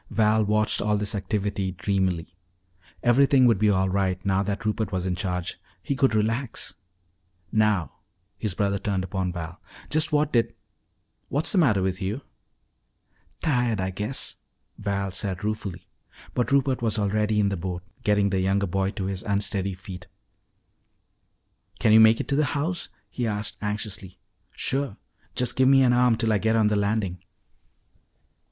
Val watched all this activity dreamily. Everything would be all right now that Rupert was in charge. He could relax "Now," his brother turned upon Val, "just what did What's the matter with you?" "Tired, I guess," Val said ruefully. But Rupert was already in the boat, getting the younger boy to his unsteady feet. "Can you make it to the house?" he asked anxiously. "Sure. Just give me an arm till I get on the landing."